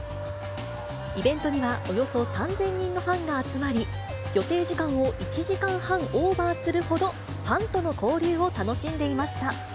イベントにはおよそ３０００人のファンが集まり、予定時間を１時間半オーバーするほど、ファンとの交流を楽しんでいました。